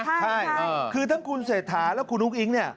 ใช่คือทั้งคุณเศรษฐาและคุณอุ้งอิ๊งเนี่ย